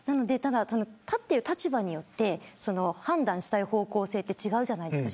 立っている立場によって判断したい方向性は違うじゃないですか。